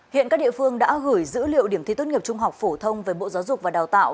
hiện các địa phương đã gửi dữ liệu điểm thi tốt nghiệp trung học phổ thông về bộ giáo dục và đào tạo